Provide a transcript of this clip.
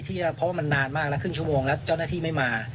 เพราะว่ามันนานมากแล้วครึ่งชั่วโมงแล้วเจ้าหน้าที่ไม่มา